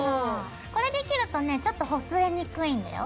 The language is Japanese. これで切るとねちょっとほつれにくいんだよ。